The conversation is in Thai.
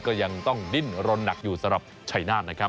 ก็ยังต้องดิ้นรนหนักอยู่สำหรับชัยนาธนะครับ